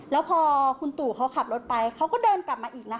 แล้วพอคุณตู่เขาขับรถไปเขาก็เดินกลับมาอีกนะคะ